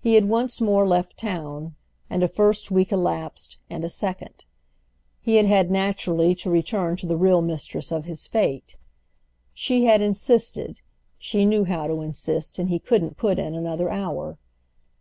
He had once more left town, and a first week elapsed, and a second. He had had naturally to return to the real mistress of his fate; she had insisted—she knew how to insist, and he couldn't put in another hour.